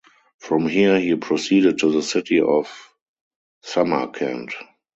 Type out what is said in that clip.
From here he proceeded to the city of Samarkand.